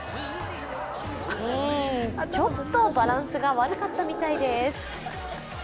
ちょっとバランスが悪かったみたいです。